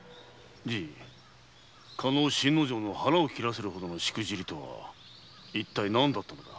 加納信之丞が腹を切るほどのしくじりとは一体何だったのだ。